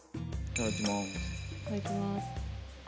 いただきます。